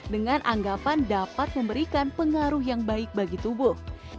dengan anggapan dapat memberikan pengaruh yang baik bagi tubuh